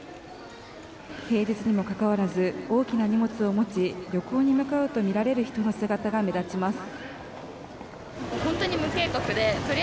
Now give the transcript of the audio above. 平日にもかかわらず大きな荷物を持ち旅行に向かうとみられる人の姿が目立ちます。